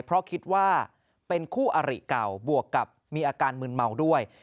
เพราะคิดว่าเป็นคู่อริเก่าบวกกับมีอาการมืนเมาด้วย